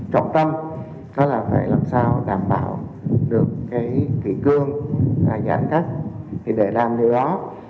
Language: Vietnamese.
học tâm là phải làm sao đảm bảo được kỷ cương và giãn cách để làm điều đó